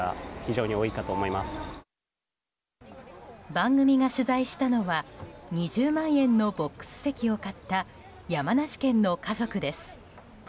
番組が取材したのは２０万円のボックス席を買った山梨県の家族です。